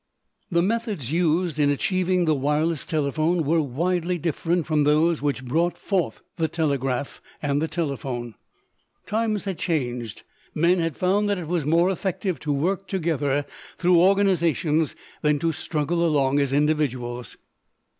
The methods used in achieving the wireless telephone were widely different from those which brought forth the telegraph and the telephone. Times had changed. Men had found that it was more effective to work together through organizations than to struggle along as individuals.